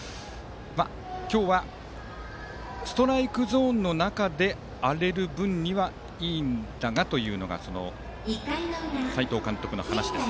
今日はストライクゾーンの中で荒れる分にはいいんだがというのが斎藤監督の話です。